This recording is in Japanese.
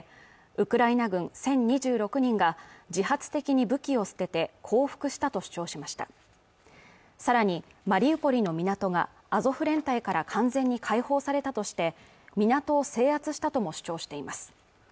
ウクライナ軍１０２６人が自発的に武器を捨てて降伏したと主張しましたさらにマリウポリの港がアゾフ連隊から完全に解放されたとして港を制圧したとも主張しています